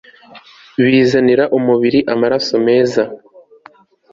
Bizanira umubiri amaraso meza